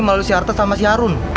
melalui si karta sama si arun